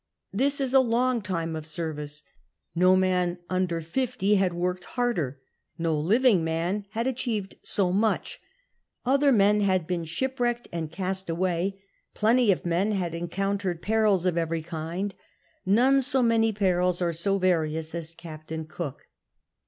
This is a long time of service. No man under fifty had worked harder ; no living man had achieved so much ; other men had been shipwrecked and cast away ; plenty of men had encountered perils of every kind; none so many perils or so various as Captain Cook.